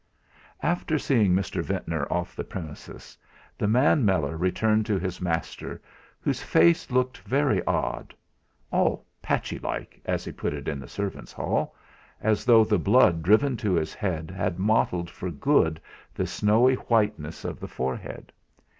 3 After seeing Mr. Ventnor off the premises the man Meller returned to his master, whose face looked very odd "all patchy like," as he put it in the servants' hall, as though the blood driven to his head had mottled for good the snowy whiteness of the forehead.